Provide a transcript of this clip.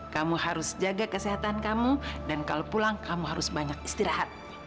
kamu harus jaga kesehatan kamu dan kalau pulang kamu harus banyak istirahat